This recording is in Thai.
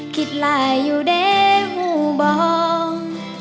คิดลายอยู่ได้หูบอก